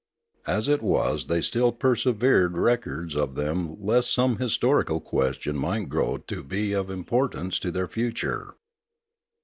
As it was they still preserved records of them lest some historical question might grow to be of importance to their future.